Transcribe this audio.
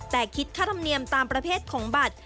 แต่คิดค่าธรรมเนียมตามประเภทของบัตร